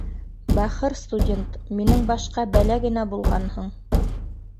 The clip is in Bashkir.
Бахыр студент, минең башҡа бәлә генә булғанһың